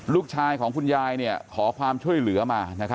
ลูกชายของคุณยายขอความช่วยเหลือมา